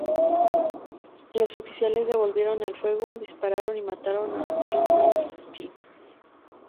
Los oficiales devolvieron el fuego, dispararon y mataron a El-Mofty.